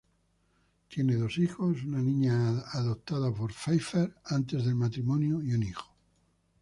Tienen dos hijos, una niña adoptada por Pfeiffer antes del matrimonio y un hijo.